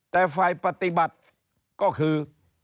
แต่ฝ่ายปฏิบัติก็คือ